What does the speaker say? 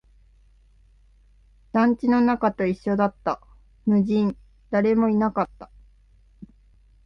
団地の中と一緒だった、無人、誰もいなかった